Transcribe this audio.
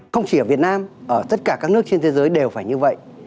không chỉ ở việt nam ở tất cả các nước trên thế giới đều phải như vậy